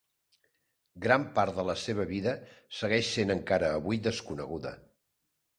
Gran part de la seva vida segueix sent encara avui desconeguda.